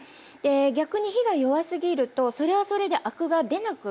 逆に火が弱すぎるとそれはそれでアクが出なくなるんですね。